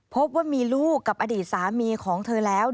พบว่ามีลูกกับอดีตสามีของเธอแล้ว